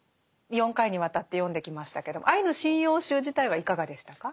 ４回にわたって読んできましたけど「アイヌ神謡集」自体はいかがでしたか？